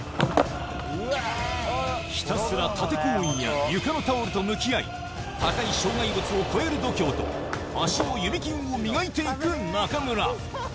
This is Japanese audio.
ひたすら縦コーンや床のタオルと向き合い、高い障害物を越える度胸と、足の指筋を磨いていく中村。